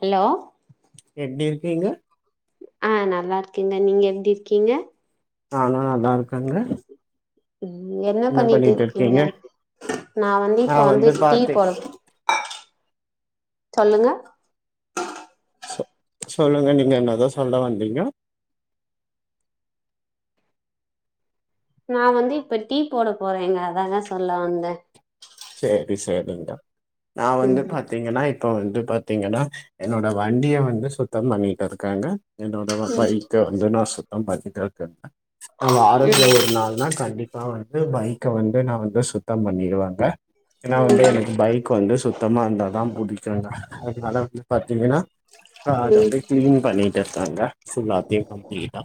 Hello எப்டி இருக்கீங்க? ஆ நல்லாருக்கேங்க நீங்க எப்டி இருக்கீங்க? ஆ நா நல்லா இருக்கேங்க ம் என்ன பண்ணிட்டு இருக்கீங்க நா வந்து இப்ப வந்து டீ போடப் சொல்லுங்க சொ சொல்லுங்க நீங்க என்னதோ சொல்ல வந்தீங்கோ நா வந்து இப்ப டீ போடப் போறேங்க அததா சொல்ல வந்தே சேரி சேரிங்கோ நா ம் வந்து பாத்தீங்கன்னா இ ப்ப வந்து பாத்தீங்கன்னா என்னோட வண்டிய வந்து சுத்தம் பண்ணிட்டு இருக்கேங்க என்னோட பைக்க வந்து நா சு த்தம் படுத்திட்டே இருக்கே ஆ வாரத்துல ம் ஒரு நாள் நா கண்டிப்பா வந் து பைக்க வந்து நா வந்து சுத்தம் பண்ணிருவங்க ஏன்னா வந்து ம் எனக்கு பைக் வந்து சுத்தமா இருந்தாதா புடிக்குங்க அதனால வந்து பாத்தீங்கன்னா ஆ அத ம் வந்து கிளீன் பண்ணிட்டு இருக்கங்க ஃபுல்லாத்தையு கம்ப்ளீட்டா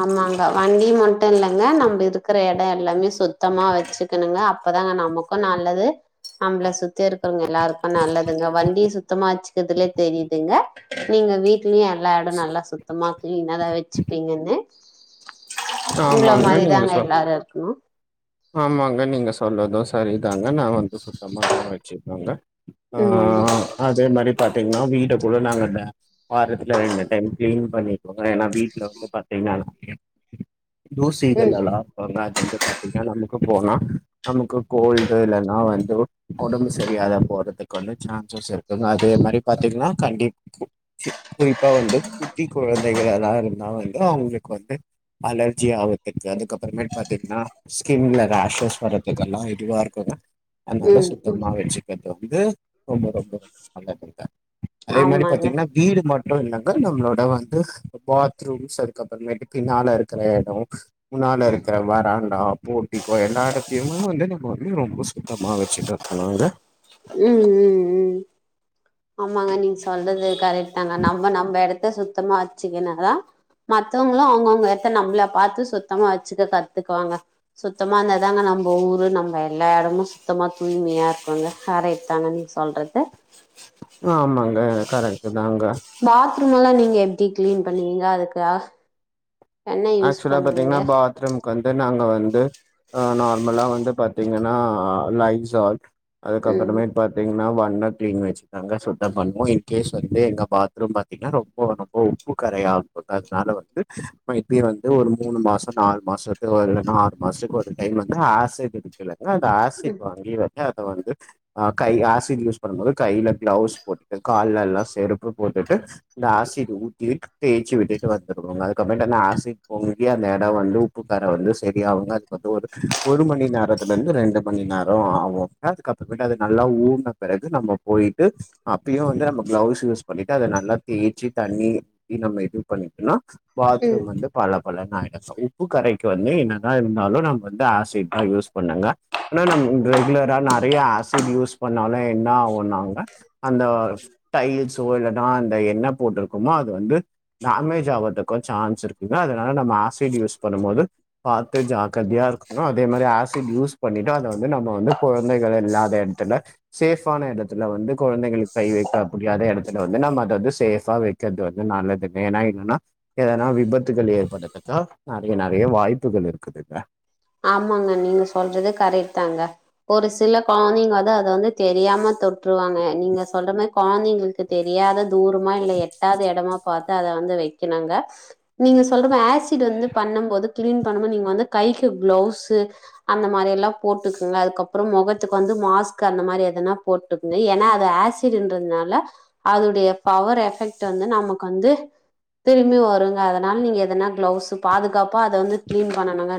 ஆமாங்க வண்டி மட்டு இல்லங்க நம்ப இருக்கிற எடோ எல்லாமே சுத்தமா வச்சுக்கணுங்க அப்பதாங்க நமக்கு நல்லது நம்மள சுத்தி இருக்கறவங்க எல்லாருக்கு நல்லதுங்க வண்டி சுத்தமா வச்சுக்கதுரலயே தெரியுதுங்க நீங்க வீட் லயு எல்லா எடோ நல்ல சுத்தமா கிளீனாதா வச்சுப்பீங்கன் னு உங்கள ஆமாங்க நீங்க மாரிதாங்க சொ எல்லாரு இருக்கணு ஆமாங்க நீங்க சொல்றது சரிதாங்க நா வந்து சுத்தமாகதா வச்சிப்பேங்க ஆ ம் அதே மாரி பாத்தீங்னா வீடு ஃபுல்லா நாங்க வா வாரத்துல ரெண்டு டைம் கிளீன் பண்ணி ருவே ஏன்னா வீட்ல வந்து பாத் தீங்கனா எனக்கு புடிக்காது தூசி ம் இதுலலா [unintelligible] வந்து பாத் நமக்கு போனா நமக்கு கோல்டு இல்லன்னா வந்து ஒடம்பு சரியாகாம போறதுக்கு வந்து சான்சஸ் இருக்குங்க அதே மாரி பாத்தீங்கன்னா கண்டிப் கு கெ குறிப்பா வந்து குட்டி கொழந்தைகள் எல்லா இருந்தா வந்து அவங்களுக்கு வந்து அலர்ஜி ஆகுறதுக்கு அதுக்கப்புறமேட் பாத்தீங்கன்னா ஸ்கின்ல ராஷஸ் வரறதுக்கெல்லா இதுவா இருக்குன்னா அதனால ம் ம் சுத்தம்மா வச்சிக்கர்து இது ரொம்ப ரொம்ப நல்லா இருக்குங்க அதே மாரி ஆமாங்க பாத்தீங்கன்னா வீடு ம அப்றோ என்னங்க நம்மளோட வந்து பாத்ரூம்ஸ் அதுக்குப்புறமேட்டு பின்னால இருக்கிற எடோ முன்னால இருக்கிற வராண்டா போர்டிகோ எல்லா எடத்தையுமே வந்து நம்ம வந்து ரொம்ப சுத்தமா வச்சுட்டு இருக்கனுங்க ம் ம் ம் ஆமாங்க நீங்க சொல்றது கரெக்ட் நாங்க நம்ப நம்ப எடத் த சுத்தமா வச்சிக்கினாதான் மத்தவங்களும் அவுங்கவுங்க எத்த நம்மள பாத்து சுத்தமா வச்சிக்க கத்துக்குவாங்க சுத்தமா இருந்தாதாங்க நம்ப ஊரு நம்ப எல்லா எடமும் சுத்தமா தூய்மையா இருக்கோங்க கரெட் தாங்க நீங்க சொல்றது ஆ ஆமாங்க கரெட்டு தாங்க ரூம் எல்லாம் நீங்க எப்டி கிளீன் பண்ணுவீங்க அதுக்கு ஆ ஆக்சுவலா பத்தீங்கன்னா பாத்ரூம்கு வந்து நாங் க வந்து ஆ நார்மலா வந்து பாத்தீங்கன்னா லைசால் ம் அதுக்கப்பறமேட் பாத்தீங்கன்னா வன் இன்னொரு கிளின் வச்சிகோங்க சுத்தம் பண்ணுவோம் இ்ன்கேஸ் வந்து எங்க பாத்ரூம் பாத்தீங்கன்னா ரொம்ப ரொம்ப உப்பு கரையா இருக்கும் அதனால வந்து னா இப்பயு வந்து ஒரு மூணு மாசம் நாலு மாசத்துக்கு ஒரு ஆறு மாசத்துக்கு ஒரு டைம் வந்து ஆசிட் இருக்குல்ல ஆனா அந்த ஆசிட் வாங்கி வப் க அத வந்து ஆ கை ஆசிட் யூஸ் பண்ணும்போது கையில கிளவுஸ் போட்டுட்டு கால்ல எல்லாம் செருப்பு போட்டுட்டு இந்த ஆசிட் ஊத்தி தேய்ச்சி விட்டுட்டு வந்துருவங்க அதுக்கப் றமேட்டு அந்த ஆசிட் பொங்கி அந்த எடம் வந்து உப்புக்கர வந்து சரியாவுங்க அதுக்கப்றோ ஒரு ஒரு மணி நேரத்துல இருந்து ரெண்டு மணி நேரம் ஆவுங்க அதுக்கப்பறமேட்டு அது நல்லா ஊறுன பெறகு நம்ம போயிட்டு அப்பயும் வந்து நம்ம கிளவுஸ் யூஸ் பண்ணிட்டு அத நல்லா தேய்ச்சி தண்ணியி நம்ம எப்பியு பண்ணிகிட்டனா ம் பாத்ரூம் வந்து பல பலன் ஆயி உப்பு கரைக்கு வந்து என்னதா இருந்தாலும் நம்ம வந்து ஆசிட் தான் யூஸ் பண்ணுங்க ன நம் இங் ரெகுலரா நறையா ஆசிட் யூஸ் பண்ணாலும் என்ன ஆவுனாங்க அந்த டைல்ஸ் சோ இல்லனா அந்த என்னா போட்டுருக்கோமோ அது வந்து டேமேஜ் ஆவது க்கும் சான்ஸ் இருக்குங்க அதனால நம்ம ஆசிட் யூஸ் பண்ணும் போது பாத்து ஜாக்கிரதையா இருக்கனு அதே மாரி ஆசிட் யூஸ் பண்ணிட்டு அத வந்து நம்ம வந்து கொழந்தைகள் இல்லாத எடத்துல சேஃபான எடத்துல வந்து கொழந்தைகளுக்கு கை வைக்க முடியாத எடத்துல வந்து நம்ப அத வந்து சேஃபா வைக்கறது வந் து நல்லதுங்க ஏன்னா என்னன்னா எதனா விபத்துகள் ஏற்படறதுக்கா நறையா நறையா வாய்ப்புகள் இருக்குதுங்க ஆமாங்க நீங்க சொல்றது கரெட் தாங்க ஒரு சில கொழந்தைங்க வந்து அத வந்து தெரியாம தொட்டுருவாங்க நீங்க சொல்ற மாரி கொழந்தைங்களுக்கு தெரியாத தூரமா இல்ல எட்டாத எடமா பாத் த அத வந்து வைக்கணுங்க நீங்க சொல்றம ஆசிட் வந்து பண்ணம் போது கிளீன் பண்ணமோ நீங்க வந்து கைக் கு கிளவுஸ் அந்த மாரி எல்லாம் போட்டுக்குங்க அதுக்கப்புறம் மொகத்துக்கு வந்து மாஸ்க்கு அந்த மாரி எதனா போட்டுக்குங்க ஏன்னா அது ஆசிடுன்றதுனால அதுடைய பவர் எஃபெக்ட் வந்து நமக்கு வந்து திரும்பி வருங்க அதனால நீங்க எதனா கிளவுஸு பாதுகாப்பா அத வந்து கிளீன் பண்ணணுங்க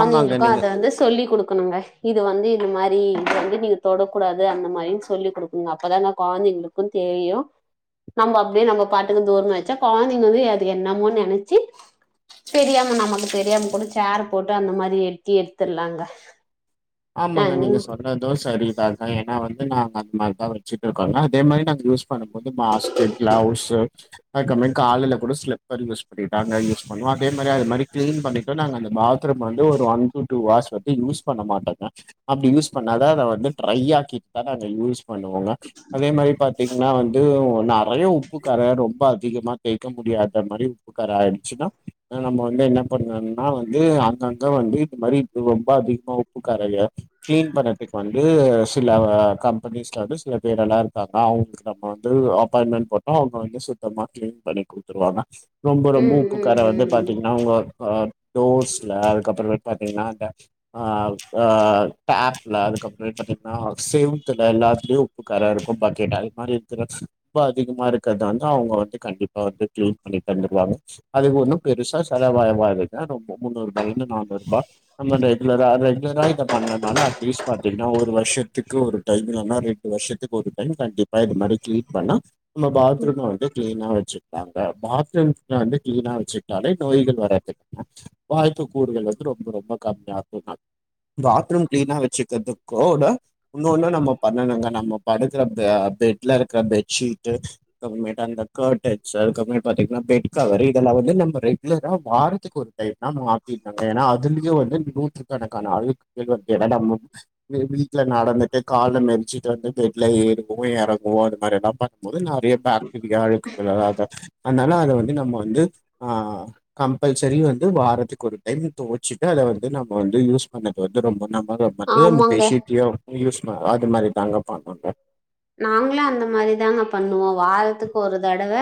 ஆமாங்க நீங்க அத வந்து சொல்லிக் குடுக் கணுங்க இது வந்து இது மாரி இது வந்து நீங்க தொடக்கூடாது அந்த மாரினு சொல்லி குடுக்கனுங்க அப்பதாங்க கொழந்தைங்களுக்கும் தெரியும் நம்ப அப்டே நம்ப பாட்டுக்கு தூரமா வச்சா கொழந்தைங்க வந்து அது என்னமோன் நெனைச்சி தெரியாம நமக்கு தெரியாம கூட சேர் போட்டு அந்த மாரி எட்டி எடுத்துர்லாங்க ஆ ஆமாங்க நீ நீங்க சொல்றதும் சரிதாங்க ஏன்னா வந்து டு நாங்க அந்த மாரிதா வச்சிட்டு இருக்கோன்னா அதே மாரி நாங்க யூஸ் பண்ணபோது மாஸ்க்கு கிளவ்ஸு அதுக்கப்பமேட் காலில கூட ஸ்லிப்பர் யூஸ் பண்ணி தாங்க யூஸ் பண்ணுவோ அதே மாரி அது மாரி க்ளீன் பண்ணிட்டு நாங்க அந்த பாத்ரூம் வந்து ஒரு ஒன் டு டூ ஆர்ஸ் வந்து யூஸ் பண்ண மாட்டோ அப்டி யூஸ் பண்ணாதா அத வந்து ட்ரை ஆக்கிட்டு தா நாங்க யூஸ் பண்ணுவோங்க அதே மாரி பாத் திங்னா வந்து உ ந றைய உப்பு கற ரொம்ப அ திகமா தேய்க்க முடியாத மாரி உப்புக்கற ஆயிடுச்சுன்னா நம்ம வந்து என்ன பண்ணன்னா வந்து அங்கங்க வந்து இது மாரி ரொம்ப அதிகமா‌ உ ப்புக் கறைய க்ளீன் பண்ணற்துக்கு வந்து சில கம்பெனிஸ்ல வந்து சில பேர் எல்லா இருக்காங்க அவுங்ளுக்கு நம்ம வந்து அப்பாயின்மென்ட் போட்டா அவுங்க வந்து சுத்தமா கிளீன் பண்ணி குடுத்துருவாங்க ரொம்ப ரொம்ப ம் ம் உப்புக்கற வந்து ம் ம் பாத்தீங்னா உங்க அ டோர்ஸ்ல அதுக்கப்புற பாத்தீங்னாக்க ஆ அ ஆ டேப்ல அதுக்கப்றமேட் பாத்தீங்னா செவுத்துல எல்லாத்துலயு உப்புக்கற இருக்கு பக்கெட் அது மாரி இருக்குற உப்பு அதிகமா இருக்கற்த வந்து அவுங்க வந்து கண்டிப்பா வந்து க்ளீன் பண்ணி தந்துடுவாங்க அதுக்கு ஒன்னு பெருசா செலவாவாதுங்க ரொம்ப முந்நூருபாலெந்து நானூறுபா நம்ம ரெகுலரா ரெ குலரா இத பண்லனாலு அட்லீஸ்ட் பாத்தீங்கனா ஒரு வருஷத்துக்கு ஒரு டைம் இல்லனா ரெண்டு வருஷத்துக்கு ஒரு டைம் கண்டிப்பா இது மாரி கிளீன் பண்ணா நம்ம பாத்ரூம வந்து க்ளீனா வ ச்சுக்லாங்க பாத்ரூம் வந்து கிளீனா வச்சுக்டாலே நோய்கள் வராதுக்கான வாய்ப்பு கூறுகள் வந்து ரொம்ப ரொம்ப கம்மியா [unintelligible] பாத்ரூம் க்ளீனா வச்சுக்கற்து கூட உன்னொன்னு நம்ம பண்ணனுங்க நம்ம படுக்குற ப பெட்ல இருக்குற பெட் ஷீட்டு அப்றமேட்டு அந்த கர்டைன்ஸு அதுக்கப்றமே பாத்தீங்னா பெட் கவரு இதெல்லா வந்து நம்ம ரெகுலரா வாரத்துக்கு ஒரு டைம்னா மாத்திர்னுங்க ஏனா அதுலயு வந்து நூத்து கணக்கான அழுக்கு [unintelligible] வீட்ல நடந்துட்டு கால மிதிச்சுட்டு வந்து பெட்ல ஏறுவோ எறங்குவோ அது மாரி எனா பா க்கும்மொது நெறைய பாக்டீரியா அழுக்குகள் [unintelligible] அதுனால அத வந்து நம்ம வந்து ஆ கம்பல்சரி வந்து வாரத்துக்கு ஒரு டைம் தொவச்சுட்டு அத வந்து நம் ம வந்து யூஸ் பண்ணது வந்து ரொம்ப நம்மளு வந்த ஆமாங்க பெட்ஷீட்லயு யூஸ் [unintelligible] து மாரி தாங்க பண்ணனு நாங்களு அந்த மாரி தாங்க பண்ணுவோ வாரத்துக்கு ஒரு தடவ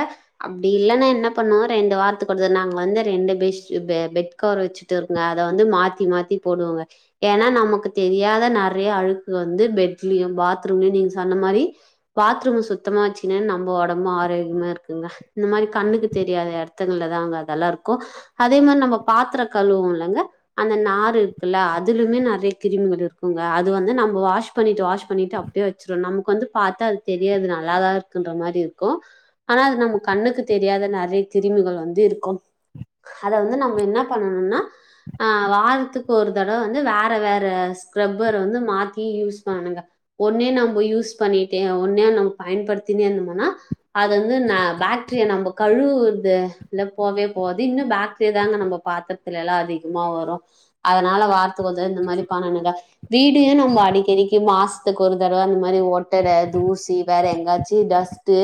அப்டி இல்லன்னா என்ன பண்ணுவோ ரெண்டு வாரத்துக்கு ஒரு தடவ நாங்க வந்து ரெண்டு் பெட்ஷ் பெ பெட் கவர் வச்சுட்டுருங்க அத வந்து மாத்தி மாத்தி போடுவோங்க ஏனா நமக்கு தெரியாத நறைய அழுக்கு வந்து பெட்லயு பாத்ரூம்லயு நீங்க சொ ன்ன மாரி பாத்ரூம சுத்தமா வச்சுனா நம்ம ஒடம்பு ஆரோக்கியமா இருக்குங்க இந்த மாரி கண்ணுக்கு தெரியாத எட த்துங்கள்ளதாங்க அதல்லா இருக்கு அதே மாரி நம்ம பாத்திர கழுவோல்லங்க அந்த நாரு இருக்குல்ல அதுலுமே நறைய கிருமிகள் இருக்குங்க அது வந்து நம்ம வாஷ் பண்ணிட்டு வாஷ் பண்ணிட்டு அப்டே வச்சு றோ நமக்கு வந்து பாத்தா அது தெரியாது நல்லதா இருக்குன்ற மாரி இருக்கு ஆனா அது நம்ம கண்ணுக்கு தெரியாத நறைய கிருமிகள் வந்து இருக்கு அத வந்து நம்ம என்ன பண்ணனுன்னா ஆ வாரத்துக்கு ஒரு தடவ வந்து வேற வேற ஸ்கரப்பர் வந்து மாத்தி யூஸ் பண்ணனுங்க ஒன்னே நம் ம யூஸ் பண்ணிட்டே ஒன்னே நம்ம பயன்படுத்தினே இருந்தோமனா அது வந்து ந பாக்டீரியா நம்ப கழுவுற்துலா போவே போவாது இன்னு பாக்டீரியா தாங்க நம்ப பாத்திரத்துலேலா அதிகமா வரு அதனால வாரத் துக்கு ஒரு தட இந்த மாரி பண்ணணுங்க வீடு நம்ம அடிக்கடிக்கு மா சத்க்கு ஒரு தட துற அந்த மாரி ஒட்டற தூசி வேற எங்காச்சி டஸ்ட்டு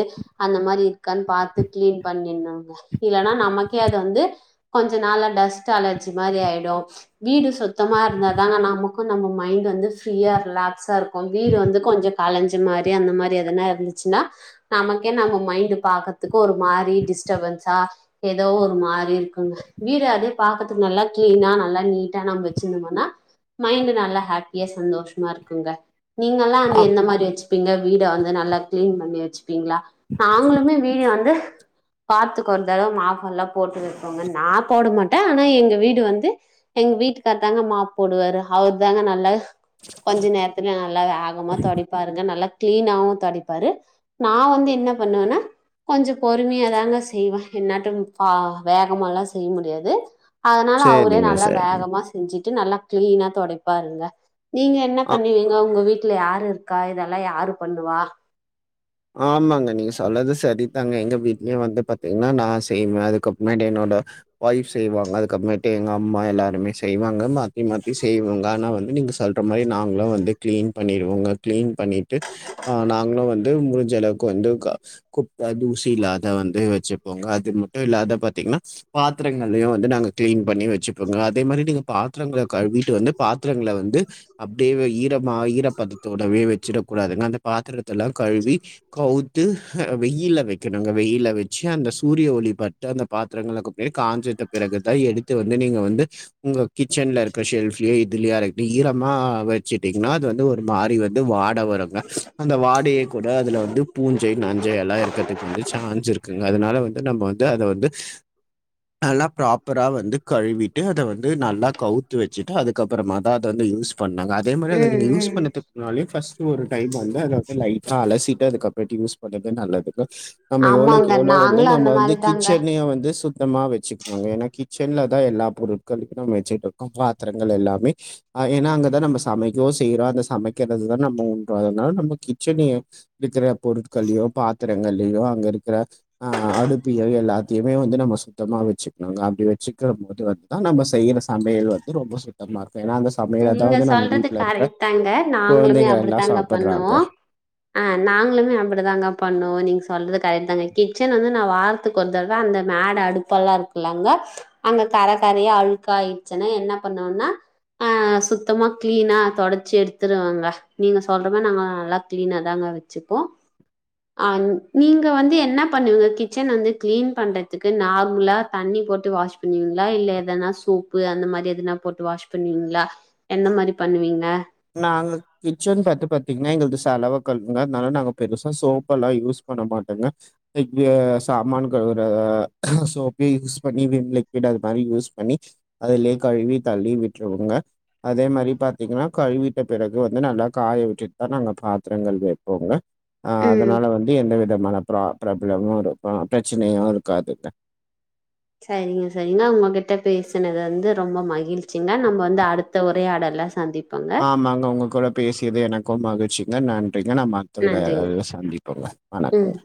அந்த மாரி இருக்கா பாத்து கிளீன் பண்ணினு இல்லனா நமக்கே அது வந்து கொஞ்ச நாள டஸ்ட் அலர்ஜி மாரி ஆயிடு வீடு சுத்தமா இருந்தாங்க நமக்கு நம்ம மைண்ட் வந்து ஃபிரியா ரிலாக்ஸ்சா இருக்கு வீடு வந்து கொஞ்சோ கலைஞ்ச மாரி அந்த மாரி எதனா இருந்துச்சுன்னா நமக்கே நம்ம மைண்ட் பாகதுக்கு ஒரு மாரி டிஸ்டபன்ஸா ஏதோ ஒரு மாரி இருக்குங்க வீடு அதே பாகதுக்கு நல்லா கிளனா நல்லா நீட்டா நம்ம வச்சிருந்தோமனா மைண்ட நல்ல ஹாப்பியா சந்தோஷமா இருக்குங்க நீங்கல்லா தி ஆ எந்த மாரி வச்சுப்பீங்க வீட வந்து நல்லா கிளீன் பண்ணி வச்சுப்பீங்களா நாங்களுமே வீடு வந்து பாத்தக்கு ஒரு தடவோ மாப்பெல்லா போட்டு இருக்கோங்க நா போட மாட்டே ஆனா எங்க வீடு வந்து எங்க வீட்டுக்கார தாங்க மாப் போடுவாரு அவர் தாங்க நல்லா கொஞ்ச நேரத்துல நல்லாவே ஆகமோ க்கரங்க நல்லா கிளீனவு தடிப்பரு நா வந்து என்ன பண்ணுவேன்னா கொஞ்சோ பொறுமையா தாங்க செய்வே என்னாடோ ஆ வேகமால்லா செய்ய முடியாது அதனால அவுரே சேரிங்க நல்லா சேரிங்க வேகமா செஞ்சுட்டு நல்லா கிளீனா தொடை பாருங்க நீங்க என்ன ஆ பண்ணுவீங்கோ உங்க வீட் ட்ல யாரு இருக் க்கா இதெல்லா யாரு பண்ணுவா ஆமாங்க நீங்க சொல்லறது சரிதாங்க எங்க வீட்லயு வந்து பாத்தீங்கன்னா நா செய்வே அதுக்க அப்புமேட் என்னோட ஒய்ஃப் செய்வாங்க அதுக்கப்புமேட்டு எங்க அம்மா எல்லாருமே செய்வாங்க மா த்தி மாத்தி செய்வாங்க ஆனா வந் நீங்கள் சொல்லற மாரி நாங்களு வந்து கிளீன் பண்ணிடுவோங்க கிளீன் பண்ணிட்டு ஆ நாங்களு வந் ட்டு முஞ்சளவு வந்து க குப்ப தூசி இல்லாத வந்து வச்சுப்போங்க அது மட்டு இல்லாத பத்திங்கன்னா பாத்திரங்களியு வந்து நாங்க கிளீன் பண்ணி வச்சுபோங்க அதே மாரி நீங்க பாத் த்திரங்கள கழுவிட்டு வந்து பாத்திரங்கள வந்து அப்பிடியே வை ஈரமா ஈரப்பதத்தோடவே வச்சுடக் கூடாதுங்க அந்த பாத்தரத்துலா கழுவி கவுத்து ஆ வெயில் வைக்கணுங்க வெயில வச்சு அந்த சூரிய ஒளி பட்டு அந்த பாத்திரங்கள கூப்புட்டு காஞ்சித்த பிறகுதா எடுத்து வந்து நீங்கள் வந்து உங்க கிச்சனில இருக்கிற ஷெல்ஃபலியோ இதுலயோ இருக்கு ஈரமாக வ ச்சிட்டிங்கன்னா அது வந்து ஒரு மாறி வந் த்து வாட் ட வருங்க அந்த வாடேயே த அதுல வந்து பூஞ்சை நஞ்சை எல்லா இருக்கறதுக்கு வந்து சான்ஸ் இருக்குங்க அத னால வந்து நம்ம வந்து அத வந்து நல்லா பிராப்பரா வந்து கழுவிட்டு அத வந் து நல்லா கவுத்து வச்சுட்டு அதுக்கப்புறமாதா அத வந்து யூஸ் பண்ணங்க அதே மாரி ம் நீங்க அத யூஸ் ம் பண்ணட்டு முன்னாலே பர்ஸ்ட் ஒரு டைம் வந்து அத அப்பிடியே லைட் அலசிட்டு அதுக்கப்புறட்டு யூஸ் பண்ணறது நல்லது நம்ம ஆமாங்க எவ்வளவுக்கு எவ்ளோ வந்து நாங்களு அந்த நம்ம வந்து மாரிதாங்க கிச்சனயே வந்து சுத் த்தமா வச்சுக்கணுங்க ஏன்னா கிச்சன்லதா எல்லா பொருட்களுக்கு நம்ம வச்சுட்டுருகோ பாத்திரங்கள் எல்லாமே ஆ ஏன்னா அங்கதா நம்ம சமைக்கவோ செய்யறோ அந்த சமைக்கிறதுதா நம்ம உண்றோ அதனால நம்ம கி ச்சனைய இருக்கிற பொருட்கள்ளியோ பாத்திரங்கள்லியோ அங்க இருக்கிற ஆ அடுப்பயோ எல்லாத்தையுமே வந்து நம்ம சுத்தமாக வச்சுக்கணாங்க அப்பிடி வச்சுக்கிற போது வந்துதா நம்ம செய்யிற சமையல் வந்து ரொம்போ சுத்தமா இருக் நீங்க சொல்றது கரெக்ட் தாங்க நாங்களுமே குழந்தைங்க எல்லாம் அப்டித்தாங்க சாப்பிடுறாங்க. பண்ணுவோ ஆ நாங்களுமே அப்டிதாங்க பண்ணுவோ நீங்க சொல்றது கரெக்ட் தாங்க கிச்சன் வந்து நா வாரத்துக்கு ஒரு தடவ அந்த மேட அடுப்பெல்லா இருக்குல்லங்க அங்க கர கரயா அழுக்க ஆயிடுச்சுன்னா என்ன பண்ணுவேண்ணா ஆ சுத்தமாக கிளீனா தொடச்சி எடுத்துருவேங்க நீங்க சொல்ற மாரி நாங்க நல்லா கிளீனா தாங்க வச்சுப்போ ஆ நீங்க வந்து என்ன பண்ணுவீங்க கிச்சன வந்து கிளீன் பண்றதுக்கு நார்மலா தண்ணி போட்டு வாஷ் பண்ணுவீங்களா இல்ல எதனா சோப்பு அந்த மாரி எதனா போட்டு வாஷ் பண்ண பண்ணுவீங்ளா என்ன மாரி பண்ணுவீங்க நாங்க கிச்சன் பாத்து பாத்தீங்கன்னா எங்களுக்கு சலவை கல்லுங்க அதனால நாங்க பெருசா சோப்பல்லா யூஸ் பண்ண மாட்டோங்க சாமானா கழுவுற சோப்பையே யூஸ் பண்ணி விம் லிக்விட் அது மாரி யூஸ் பண்ணி அதுலயே கழுவி தள்ளி விட்டுருவோங்க அதே மாரி பாத்தீங்கனா கழுவிட்ட பிறகு வந்து நல்லா காய வச்சுட்டு தா நாங்க பாத்திரங்க வைப்போங்க ஆ ம் அதனால வந்து எந்த வித மன ப்ராதப் ப்ரபளமு இருக்கு பிரச்சனையு இருக்காது சரிங்க சரிங்க உங்ககிட்ட பேசுனது வந்து ரொம்ப மகிழ்ச்சி ங்க நம்ம வந்து அடுத்த உரையாடல சந்திப் ஆமாங்க உங்க கூட பேசியது எனக்கு மகிழ்ச்சி ந ந ன் [unintelligible] ங்கன நன்றிங்க மத்தவ சந்திப்போங்க ம் வணக்கோங்க